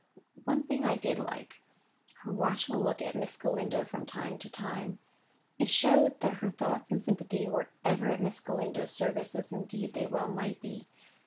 One thing I did like—her watchful look at Miss Galindo from time to time: it showed that her thoughts and sympathy were ever at Miss Galindo's service, as indeed they well might be.